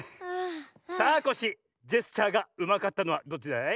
さあコッシージェスチャーがうまかったのはどっちだい？